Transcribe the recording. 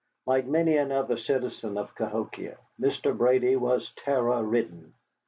Like many another citizen of Cahokia, Mr. Brady was terror ridden.